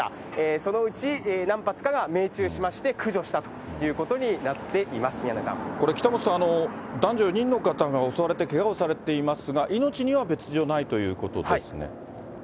そのうち何発かが命中しまして、駆除したということになっています、これ、北本さん、男女４人の方が襲われてけがをされていますが、命には別条ないということですね？